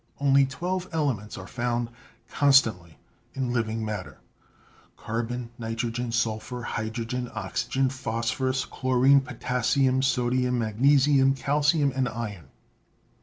Only twelve elements are found constantly in living mat ter: carbon, nitrogen, sulphur, hydrogen, oxygen, phos phorus, chlorine, potassium, sodium, magnesium, calcium and iron.